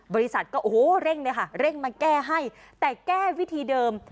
บริษัทเร็งมาแก้ให้แต่แก้วิธีเดิม